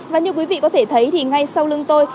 và như quý vị có thể thấy thì ngay sau lưng tôi